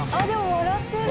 笑ってる！